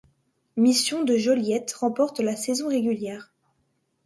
Mission de Joliette remporte la saison régulière.